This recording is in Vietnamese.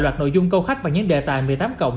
đoạt nội dung câu khách và những đề tài một mươi tám cộng